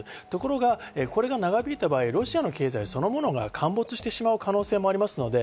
ところがこれが長引いた場合、ロシアの経済そのものが陥没してしまう可能性もあります。